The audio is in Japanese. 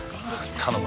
頼む。